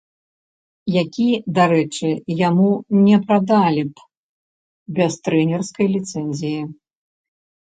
Які, дарэчы, яму не прадалі б без трэнерскай ліцэнзіі.